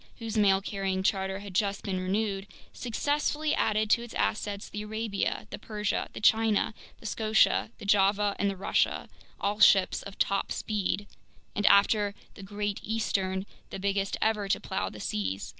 whose mail carrying charter had just been renewed, successively added to its assets the Arabia, the Persia, the China, the Scotia, the Java, and the Russia, all ships of top speed and, after the Great Eastern, the biggest ever to plow the seas.